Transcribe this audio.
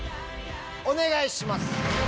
お願いします！